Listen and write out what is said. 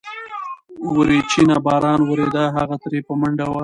وريچينه باران وريده، هغه ترې په منډه وه.